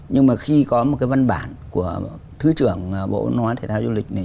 nhưng mà khi có một cái văn bản của thứ trưởng bộ ngoại thể thao du lịch này